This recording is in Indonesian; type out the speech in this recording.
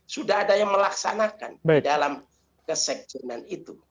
sudah ada yang melaksanakan di dalam kesekjenan itu